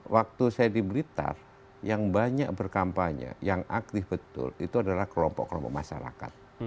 waktu saya di blitar yang banyak berkampanye yang aktif betul itu adalah kelompok kelompok masyarakat